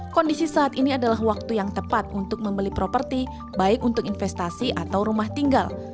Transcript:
kondisi saat ini adalah waktu yang tepat untuk membeli properti baik untuk investasi atau rumah tinggal